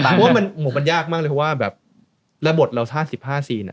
เพราะว่ามันเยอะมากเลยเพราะว่าระบดเรา๕๕ซีน